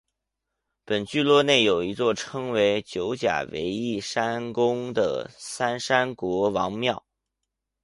本聚落内有一座称为九甲围义山宫的三山国王庙。